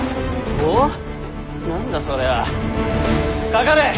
かかれ！